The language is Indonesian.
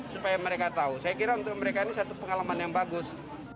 supaya mereka tahu saya kira untuk mereka ini satu pengalaman yang bagus